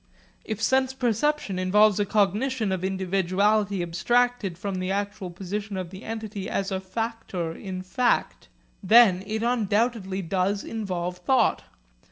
If sense perception involves a cognition of individuality abstracted from the actual position of the entity as a factor in fact, then it undoubtedly does involve thought.